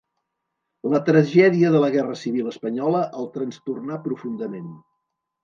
La tragèdia de la guerra civil espanyola el trastornà profundament.